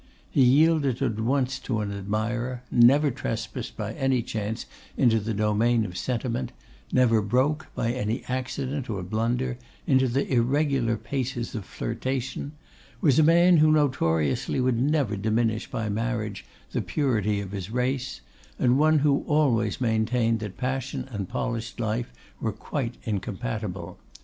He yielded at once to an admirer; never trespassed by any chance into the domain of sentiment; never broke, by any accident or blunder, into the irregular paces of flirtation; was a man who notoriously would never diminish by marriage the purity of his race; and one who always maintained that passion and polished life were quite incompatible.